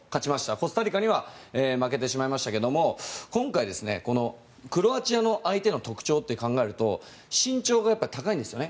コスタリカには負けてしまいましたが今回、クロアチアの相手の特徴と考えると身長が高いんですよね。